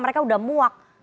mereka udah muak